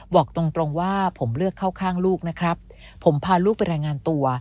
บอกตรงตรงว่าผมเลือกเข้าข้างลูกนะครับผมพาลูกไปรายงานตัว